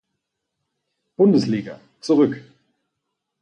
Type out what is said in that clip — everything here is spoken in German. Bundesliga, zurück.